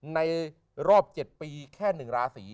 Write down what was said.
ในรอบ๗ปีแค่๑ราศี